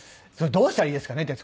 どうしたらいいですかね？